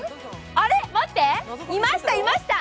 待って、いました、いました！